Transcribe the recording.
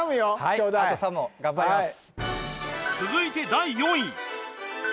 京大はいあと３問頑張ります